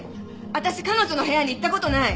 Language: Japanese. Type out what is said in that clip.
私彼女の部屋に行った事ない！